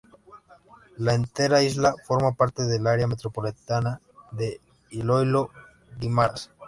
La entera isla forma parte del área metropolitana de Iloílo-Guimarás.